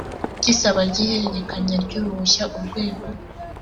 cy isaba ry ihererekanya ry uruhushya urwego